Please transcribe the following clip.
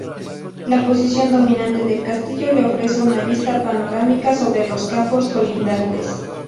La posición dominante del castillo le ofrece una vista panorámica sobre los campos colindantes.